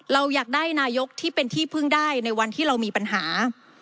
เราอยากได้นายกที่เป็นที่พึ่งได้ในวันที่เรามีปัญหา